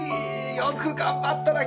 よく頑張ったな。